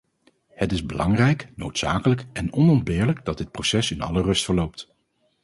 Het is belangrijk, noodzakelijk en onontbeerlijk dat dit proces in alle rust verloopt.